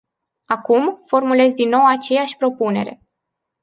Acum, formulez din nou aceeași propunere.